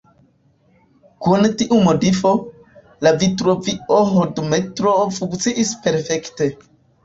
Kun tiu modifo, la Vitruvio-hodometro funkciis perfekte.